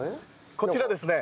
こちらですね。